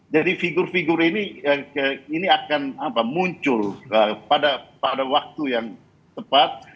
jadi figure figure ini akan muncul pada waktu yang tepat